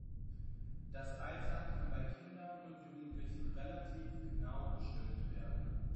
Das Alter kann bei Kindern und Jugendlichen relativ genau bestimmt werden.